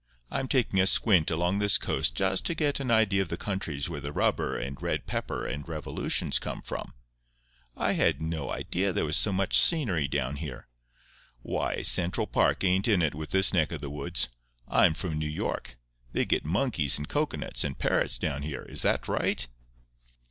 I'm taking a squint along this coast just to get an idea of the countries where the rubber and red pepper and revolutions come from. I had no idea there was so much scenery down here. Why, Central Park ain't in it with this neck of the woods. I'm from New York. They get monkeys, and cocoanuts, and parrots down here—is that right?"